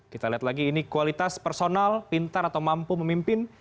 kita lihat lagi ini kualitas personal pintar atau mampu memimpin